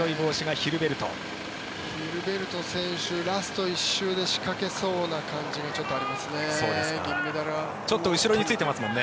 ヒルベルト選手ラスト１周で仕掛けそうな感じがちょっとありますね。